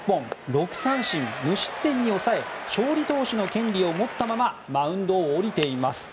６三振、無失点に抑え勝利投手の権利を持ったままマウンドを降りています。